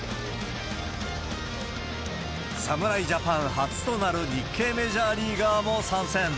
侍ジャパン初となる日系メジャーリーガーも参戦。